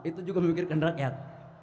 itu juga memikirkan rakyat